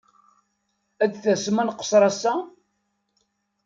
Ad tasem ad nqeṣṣer ass-a?